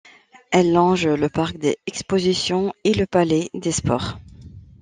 Elle longe le parc des Expositions et le palais des Sports.